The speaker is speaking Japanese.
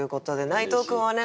内藤君はね